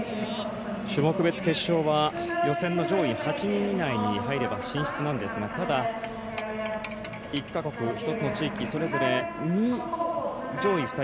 種目別決勝は予選の上位８人以内に入れば進出なんですがただ、１か国、１つの地域それぞれ上位２人。